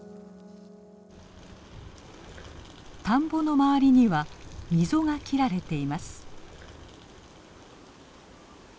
田んぼの周りには溝が切られています。